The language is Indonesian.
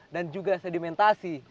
dan juga sedimentasi